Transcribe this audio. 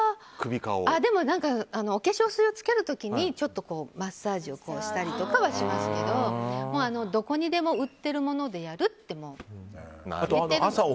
お化粧水をつける時にちょっとマッサージをしたりはしますけどどこにでも売ってるものでやるっていうのを。